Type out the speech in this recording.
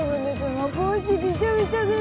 もう帽子びちゃびちゃです。